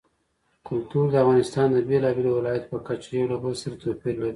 کلتور د افغانستان د بېلابېلو ولایاتو په کچه یو له بل سره توپیر لري.